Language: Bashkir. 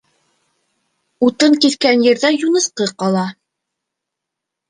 Утын киҫкән ерҙә юнысҡы ҡала.